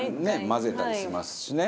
混ぜたりしますしね。